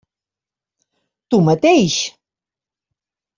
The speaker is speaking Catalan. Tu mateix!